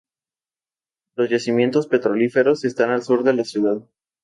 Los yacimientos petrolíferos están al sur de la ciudad.